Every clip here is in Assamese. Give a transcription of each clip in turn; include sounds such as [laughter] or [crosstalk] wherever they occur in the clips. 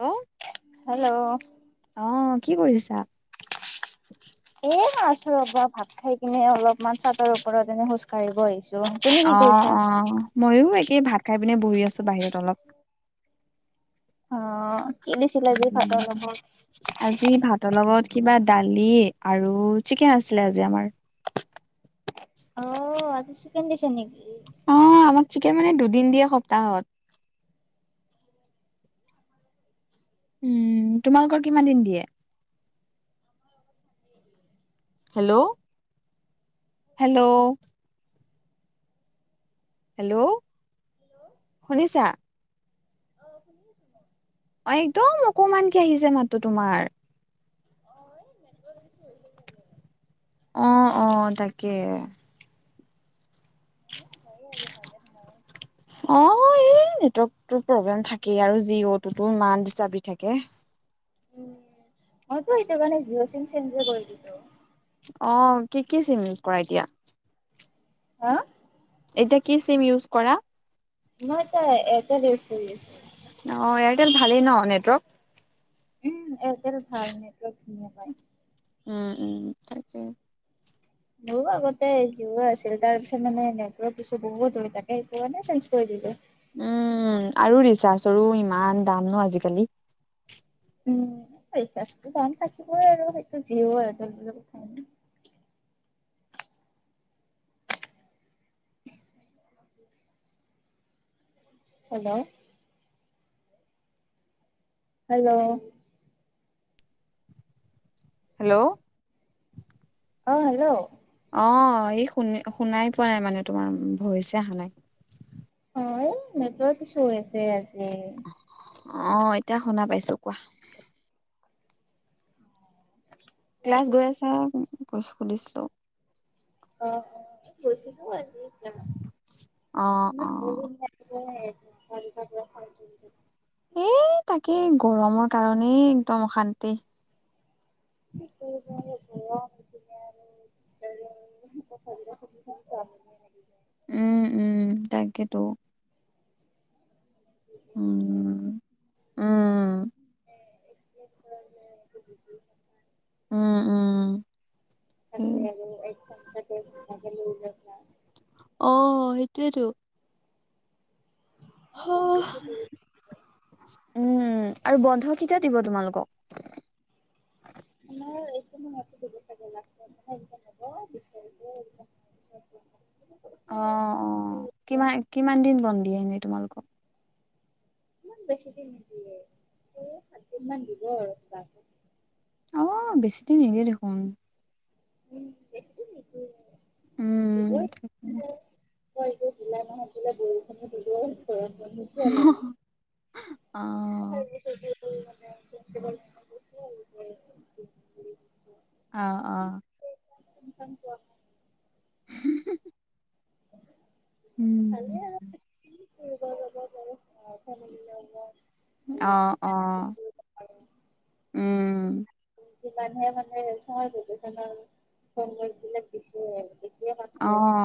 ঔ। হেল্ল'। অ কি কৰিছা। এ আছো ৰবা ভাত খাই কিনে অলপমান চাটৰ ওপৰত এনে খোজ কঢ়িব আহিছ। তো তুমি কি কৰিছা ময়ো একেই ভাত খাই পিনে বহি আছো বাহিৰত অলপ। অ কি দিছিলে আজি ভাতৰ উম লগত। আজি ভাতৰ লগত কিবা দালি আৰু চিকেন আছিলে আজি আমাৰ। অ' আজি চিকেন দিছে নেকি। অ আমাক চিকেন মানে দুদিন দিয়ে সপ্তাহত। উম তোমালোকৰ কিমান দিন দিয়ে। হেল্ল'। হেল্ল'। হেল্ল' শুনিছা। অ' শুনিআছো মই। অ একদম অকমান কি আহিছে মাততো তোমাৰ। অ এই। [unintelligible] অ' অ' তাকে। [unintelligible] অ এই নেটৱৰ্কটো প্ৰব্লেম থাকেই, আৰু জিঅ' তো ইমান ডিষ্টাৰ্ব দি থাকে। উম মইতো সেইটো কাৰণে জিঅ' চিম চেঞ্জ কৰি দিছো। অ কি কি চিম ইউজ কৰা এতিয়া। হা। এতিয়া কি চিম ইউজ কৰা। মই এতিয়া এৰটেল ইউজ কৰি আছো। অ' এয়াৰটেল ভালেই ন নেটৱৰ্ক। উম এয়ৰটেল ভাল নেৰ্টৱক ধুনীয়া পায়। উম উম তাকে। মোৰ আগতে জিঅ' আছিল তাৰ পিছত মানে নেটৰ্ক কিছু বহুত দূৰ তাকে চেঞ্জ কৰি দিলো। উম আৰু ৰিচাৰ্চৰো ইমান দাম ন আজিকালি। উম ৰিচাৰ্ছতো দাম থাকিবই আৰু সেইটো জিঅ‌ এয়াটেল বিলাকৰ [unintelligible] [unintelligible] হেল্ল হেল্ল হেল্ল অ হেল্ল অ এই শুনি শুনাই পোৱা নাই মানে তোমাৰ ভইছে অহা নাই। অ' নেটৱৰ্ক ইছু হৈ আছে আজি। অ' এতিয়া শুনা পাইছো কোৱা। ক্লাছ গৈ আছা ন গৈছো সুধিছিলো অ অ গৈছিলো আজি অ অ। ইমান কোঁৱলী মাৰে হয়েই মাথা বিষোৱা দৰপ খাইছো এ তাকে গৰমৰ কাৰণেই একদম অশান্তি। [unintelligible] [unintelligible] উম উম তাকেতো। উম উম এ এইটো বিষয়ে যে একো বুজিয়ে পোৱা নাই উম উম থাকি আহিলো এক সপ্তাহ [unintelligible] অ' সেইটোয়েইতো। স উম আৰু বন্ধ কেতিয়া দিব তোমালোকক আমাৰ এইটো মাহত [unintelligible] [unintelligible] অ অ কিমান কিমান দিন বন দিয়ে এনেই তোমালোকক। ইমান বেছি দিন নিদিয়ে এই সাতদিন মান দিব আৰু কিবা। অ বেছি দিন নিদিয়ে দেখোন। উম বেছি দিন নিদিয়ে উম উম উম হয় এইটো জুলাই মাহত বোলে বৰষুণ দিব ঘৰৰ কামতহে লাগে অ অ হয় [unintelligible] অ অ আৰু কোৱা হুম হুম ভালেই আৰু ফুৰিব যাব পাৰিম ফেমেলি লগত অ অলপ অ উম যিমানে মানে [unintelligible] সংগ বিলাক বেছি হৈ আহিছে অ অ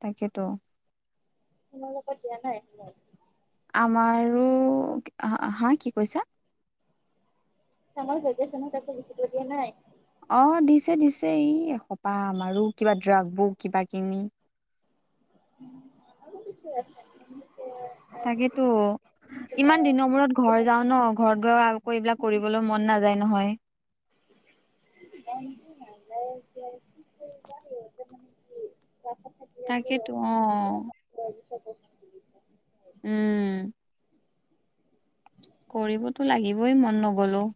তাকেতো। তোমাল লগত দিয়া নাই এইফালে আমাৰো হা কি কৈছা চামাৰ ভেকচনত একো লিখিব দিয়া নাই? অ', দিছে, দিছে এই সোপা আৰু কিবা ড্ৰাগবুক কিবা কিনি আৰু [unintelligible] কি আছে। তাকেতো। ইমান দিনৰ মূৰত ঘৰ যাওঁ ন ঘৰত গৈ আকৌ এইবিলাক কৰিবলৈ মন নাযায় নহয়। মনটো নাযায় এতিয়া। [inaudible] তাকেইেতো অ'। বাবি চাব উম। [inaudible] কৰিবতো লাগিবই মন নগ'লো।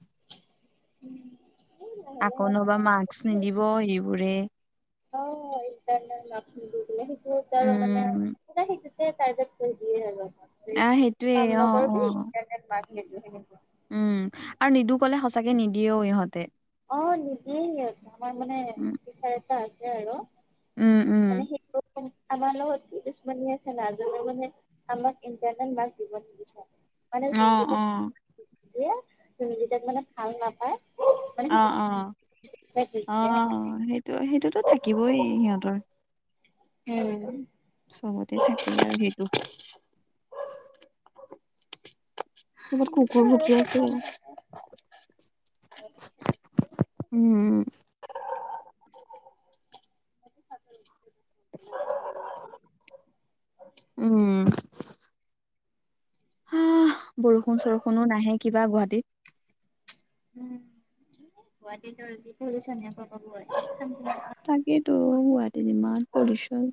উম আকৌ নোবা মাস্ক নিদিব ইউৰে। অ', ইণ্টাৰনেল মাৰ্ক্স নিদেই বোলে সেইটোত আৰু মানে উম ক সেইটো ই ত কৈ [unintelligible] দিয়ে আৰু আহ আ সেইটোয়ে কাম অ নকৰ অ বি ইাৰনেট মাৰ্ক্স সনে উম আৰু নিদো ক'লে সঁচাকে নিদিয়েও ইহঁতে। অ', নিদিয়ে আমাৰ মানে উম টিচাৰ এটা আছে আৰু উম মানে উম সেই আমাল লগত দুচমনী আছে নাজাব মানে আমাক ইটাৰনেল মাৰ্ক্স দিব নিবিচাৰে। মানে অ অ যোনকেইটাক দিয়ে যোনকেইটাক মানে ভাল নাপায় মানে অ', অ', অ', সেইটো সেইটোতো থাকিবই সিহঁতৰ। উম। চবতে থাকেই আৰু সেইটো [inaudible] সেনকোৱা ক'বাত কুকুৰ ভুকি আছে আৰু [unintelligible] উম [inaudible] [inaudible] [inaudible] উম। হা বৰষুণ চৰষুণো নাহে কিবা গুৱাহাটীত। উম গুৱাহাটীট ত পলিউশ্যন পাবা গুৱাহাটীত একদম তাকেইেতো গুৱাহাটীত ইমান পলিউশ্যন।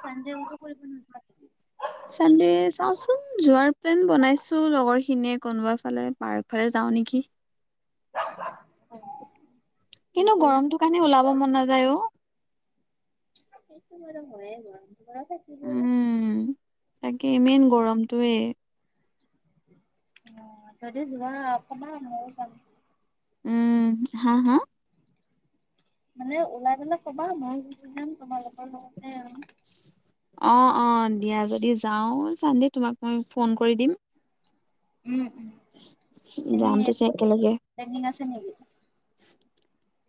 চানডে্ উনকো পৰি প [unintelligible] চানডে্ চাওঁচোন যোৱাৰ প্লেন বনাইছোঁ লগৰখিনিয়ে কোনোবা ফালে পাৰ্ক ফালে যাওঁ নেকি। উ [unintelligible] কিন্তু গৰমটোৰ কাৰণে ওলাব মন নাযায় অ'। সেইটো মোৰ হয়ে গৰৰ খ [unintelligible] উম তাকে মেনেই গৰমটোৱে। অ', ত জোনৰ‌ যদি জোনৰ অকনমান অকমান উম। হা হা। মানে ওলাই পেলাই ক'বা ময়ো গুছি যাম তোমালোকৰ লগতে আৰু অ', অ', দিয়া যদি যাও চান দে তোমাক মই ফোন কৰি দিম। উম, উম। যাম তেতিয়া একেলগে। প্লেনিং আছে নেকি?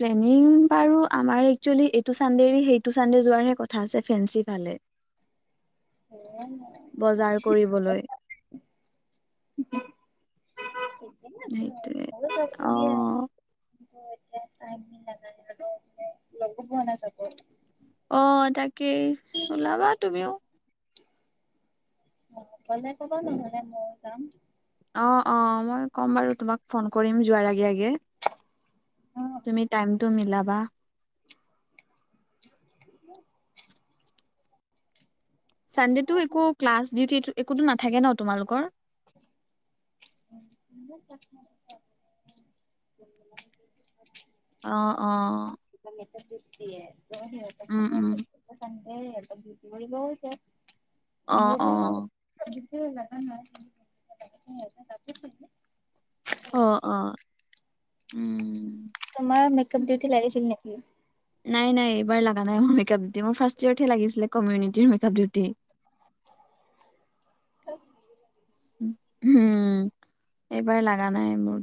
প্লেনিং বাৰু আমাৰ একচুৱেলি এইটো চানডে সেইটো চানডে যোৱাৰ হে কথা আছে ফেঞ্চিৰ ফালে। উ। বজাৰ কৰিবলৈ [unintelligible] সেইতিছে সেইটোৱে ঘ অ [unintelligible] এতিয়াই তাইক নাজানিলোঁ ন লগো পোৱা নাযাব। অ তাকেই ওলাবা তুমিও। অ গলে কবা নহ'লে মইয়ো যাম। অ অ মই ক'ম বাৰু তোমাক ফোন কৰিম যোৱাৰ আগে আগে। তুমি টাইমটো মিলাবা। [inaudible] চানডেতটো একো ক্লাছ ডিউটি একোটো নাথাকে ন তোমালোকৰ। [inaudible] [unintelligible] অ অ মেছেজ ট্ৰিপ দিয়ে [unintelligible] উম উম। চানদে সিহঁত ডিউটি কৰিব হৈছে অ মোৰ অ বাৰু ডিউটি জাবা নাই? অ অ উম। তোমাৰ মেকআপ ডিউটি লাগিছিল নেকি? নাই নাই এইবাৰ লগা নাই মোৰ মেকআপ ডউট মোৰ ফাৰ্ষ্ট ইয়েৰতহে লাগিছিলে কমিউনিটিৰ মেকআপ ডিউটি। [unintelligible] উম এইবাৰ লাগা নাই মোৰ।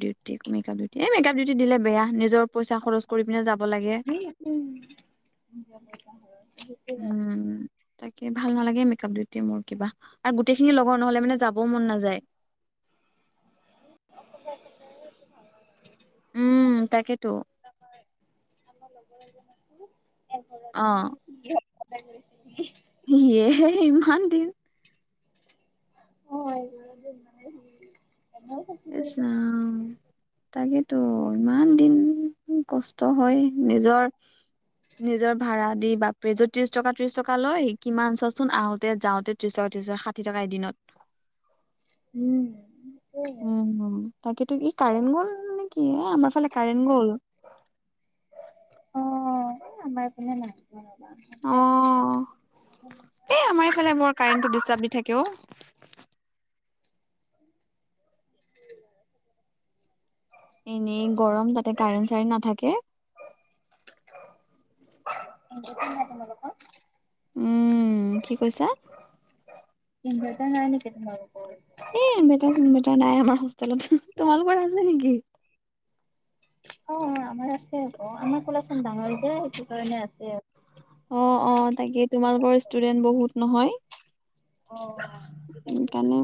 মেকআপ ডিউটি মেকআপ ডিউটি দিলে বেয়া নিজৰ পইচা খৰচ কৰি পিনে যাব লাগে। উম উম তাকে ভাল নালাগে মেকআপ ডিউটি মোৰ কিবা আৰু গোটেইখিনি লগৰ নহলে মানে যাবও মন নাযায়। উম তাকেতো। আমাৰ আমাৰ লগৰ এজনকো অ অছ [unintelligible] ইয়েহে ইমান দিন অ এইবাৰ যে মানে সি প্ৰেমৰ ইছ ৰাম তাকেতো ইমান দিন কষ্ট হয় নিজৰ নিজৰ ভাড়া দি পেজত ত্ৰিশ টকা ত্ৰিশ টকা লয় কিমান চাচোন আহোতে যাওঁতে ত্ৰিশ টকা ত্ৰিশ টকা ষাঠি টকা এদিনত। উম। উম তাকেতো ই কাৰেণ্ট গ'ল নেকি এ আমাৰ ফালে কাৰেণ্ট গ'ল। অ আমাৰ এফালে অ নাই। এ উ আমাৰ এইফালে [unintelligible] বৰ কাৰেণ্টটো দিষ্টাৰ্ব থাকেও। উম হয় হয়। এনেই গৰম তাতে কাৰেণ্ট চাৰেণ্ট নাথাকে। তোমালোকৰ? উম, কি কৈছা? ইনভাৰ্টাৰ নাই নেকি তোমালোকৰ? এ, ইনভাৰ্টাৰ চিনভেটাৰ নাই আমাৰ হোষ্টেলত। তোমালোকৰ আছে নেকি? অ' আমাৰ আছে আকৌ, আমাৰ কলেজখন ডাঙৰ যে সেইটো কাৰণে আছে। অ', অ' তাকে, তোমালোকৰ ষ্টুডেন্ট বহুত নহয়। অ কাৰণে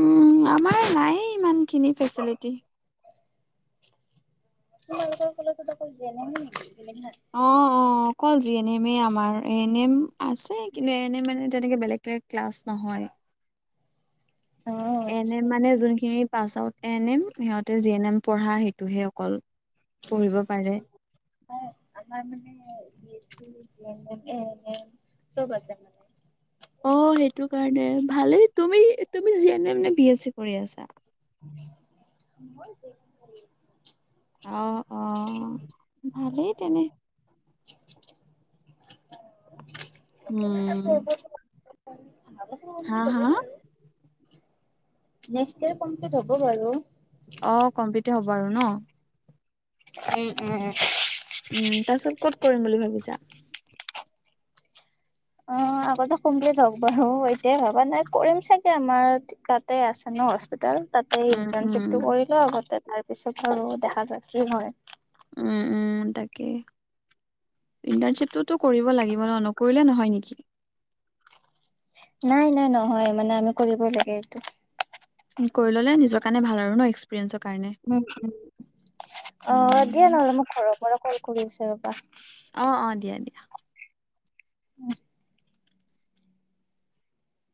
উম, আমাৰ নায়ে ইমানখিনি ফেচিলিটি। তোমালোকৰ কলেজত অকল জেনেৰেল নেকি, বেলেগ নাই? অ', অ' অকল যিয়েনেমে আমাৰ, এ নেম। আছে কিন্তু এনে মানে তেনেকে বেলেগ টে ক্লাছ নহয়। অ এন এম আচ্ছা। মানে যোনখিনি পাছ আউট এন এম সিহঁতে জি এন এম পঢ়া সেইটোহে অকল। পঢ়িব পাৰে। আমাৰ মানে [unintelligible] চব আছে। অ' সেইটো কাৰণে ভালেই। তুমি তুমি জি এন এম নে বি এছ চি কৰি আছা? [unintelligible] অ', অ' ভালেই তেনে। উম, হা হা [unintelligible] নেক্সট ইয়েৰ কমপ্লিট হ'ব বাৰু। অ' কমপ্লিটে হ'ব আৰু ন'? উম, উম, উ। উম, তাৰপিছত ক'ত কৰিম বুলি ভাবিছা? অ' আগতে কোম্প্লিট হওঁক বাৰু, এতিয়াই ভবা নাই, কৰিম চাগে আমাৰ তাতে আছে ন' হস্পিতাল। তাতে উম, উম, ইন্টাৰ্ণশ্বিপটো কৰিলও আগতে তাৰপিছত আৰু দেখা যায় কি হয়। উম, উম, তাকে। ইণ্টাৰ্ণশ্বিপটোতো কৰিব লাগিব ন' নকৰিলে নহয় নেকি? নাই নাই নহয় মানে আমি কৰিবই লাগে এইটো। কৰি ল'লে নিজৰ কাৰণে ভাল আৰু ন' এক্স প্ৰিন্সৰ কাৰণে। উম, উম। অ' দিয়া উম, নহ'লে মোক ঘৰৰ পৰা কল কৰি আছে ৰ'বা। অ', অ' দিয়া দিয়া। উ